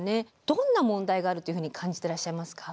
どんな問題があるっていうふうに感じていらっしゃいますか？